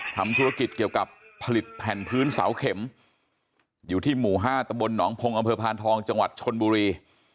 ทำธุรกิจเกี่ยวกับผลิตแผ่นพื้นเสาเข็มอยู่ที่หมู่๕ตะบลหนองพงศ์อำเภอพานทองจังหวัดชนบุรี